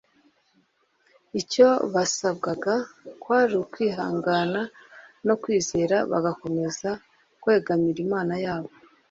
icyo basabwaga kwari ukwihangana no kwizera bagakomeza kwegamira Imana yabo